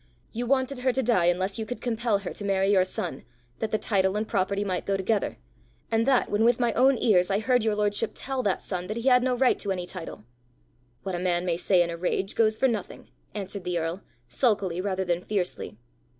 You wanted her to die unless you could compel her to marry your son, that the title and property might go together; and that when with my own ears I heard your lordship tell that son that he had no right to any title!" "What a man may say in a rage goes for nothing," answered the earl, sulkily rather than fiercely.